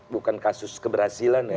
bukan kasus keberhasilan ya